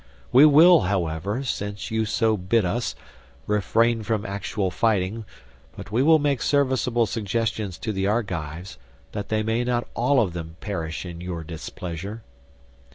We will, however, since you so bid us, refrain from actual fighting, but we will make serviceable suggestions to the Argives, that they may not all of them perish in your displeasure."